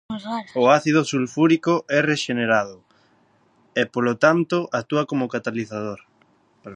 El ácido sulfúrico es regenerado y por tanto actúa como catalizador.